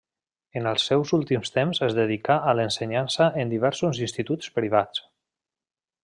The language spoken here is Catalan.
En els seus últims temps es dedicà a l'ensenyança en diversos instituts privats.